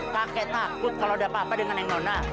kakek takut kalau ada apa apa dengan yang nona